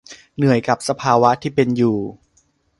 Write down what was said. เหนื่อยกับสภาวะที่เป็นอยู่